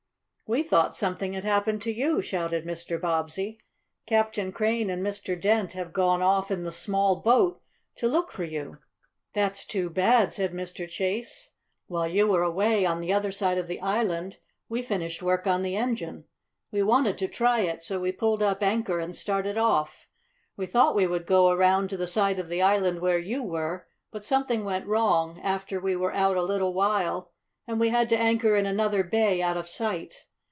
"We thought something had happened to you!" shouted Mr. Bobbsey. "Captain Crane and Mr. Dent have gone off in the small boat to look for you." "That's too bad," said Mr. Chase. "While you were away, on the other side of the island, we finished work on the engine. We wanted to try it, so we pulled up anchor and started off. We thought we would go around to the side of the island where you were, but something went wrong, after we were out a little while, and we had to anchor in another bay, out of sight.